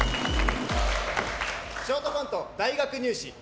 ショートコント、大学入試。